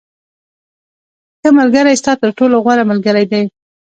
• ښه ملګری ستا تر ټولو غوره ملګری دی.